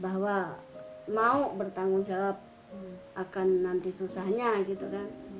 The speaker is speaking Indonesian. bahwa mau bertanggung jawab akan nanti susahnya gitu kan